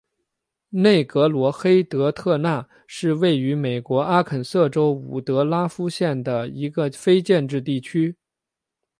内格罗黑德科纳是位于美国阿肯色州伍德拉夫县的一个非建制地区。